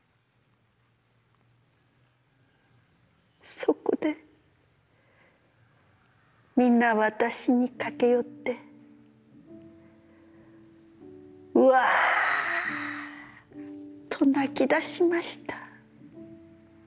そこで、みな私に駆け寄って、わーっと泣き出しました。